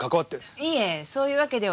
いえそういうわけでは。